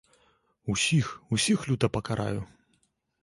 Усіх, усіх люта пакараю!